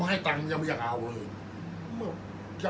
อันไหนที่มันไม่จริงแล้วอาจารย์อยากพูด